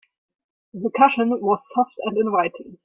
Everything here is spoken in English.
The cushion was soft and inviting.